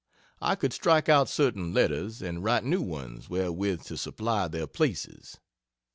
I could strike out certain letters, and write new ones wherewith to supply their places.